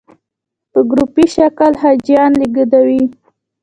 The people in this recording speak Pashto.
په ګروپي شکل حاجیان لېږدوي.